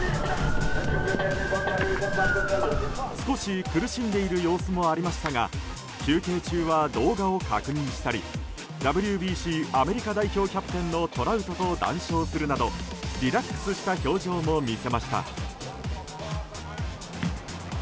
少し苦しんでいる様子もありましたが休憩中は動画を確認したりＷＢＣアメリカ代表キャプテンのトラウトと談笑するなどリラックスした表情を見せました。